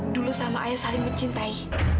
dulu sama ayah saling mencintai